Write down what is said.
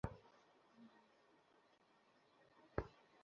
মহলের বাকি অংশ?